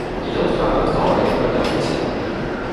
Il entre à vingt ans à l'École normale supérieure.